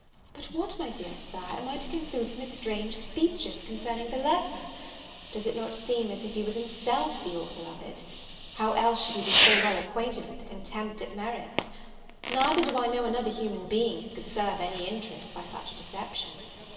But what, my dear Sir, am I to conclude from his strange speeches concerning the letter? Does it not seem as if he was himself the author of it? How else should he be so well acquainted with the contempt it merits? Neither do I know another human being who could serve any interest by such a deception.